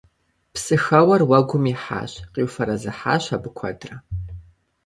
Псыхэуэр уэгум ихьащ. Къиуфэрэзыхьащ абы куэдрэ.